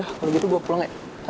yaudah kalo gitu gue pulang ya